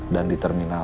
dan di terminal